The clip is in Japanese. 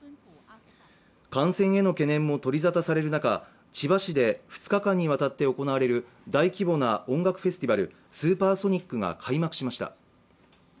感染への懸念も取り沙汰される中、千葉市で２日間にわたって行われる大規模な音楽フェスティバル、ＳＵＰＥＲＳＯＮＩＣが開幕しました。